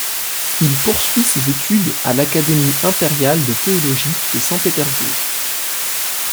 Il poursuit ses études à l'académie impériale de théologie de Saint-Pétersbourg.